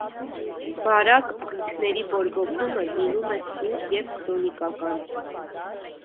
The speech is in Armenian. Բարակ աղիքների բորբոքումը լինում է սուր և քրոնիկական։